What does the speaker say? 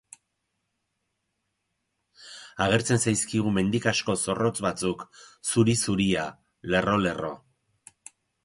Agertzen zaizkigu mendi-kasko zorrotz batzuk, zuri-zuria, lerro-lerro.